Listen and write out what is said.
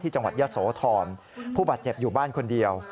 จังหวัดยะโสธรผู้บาดเจ็บอยู่บ้านคนเดียว